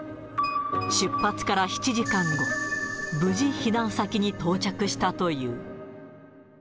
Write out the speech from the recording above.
出発から７時間後、無事避難先に到着したという。